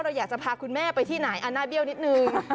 อยากจะพาคุณแม่ไปที่ไหนหน้าเบี้ยนิดนึง